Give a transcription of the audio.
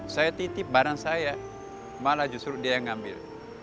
saya titip barang saya malah justru dia yang ngambil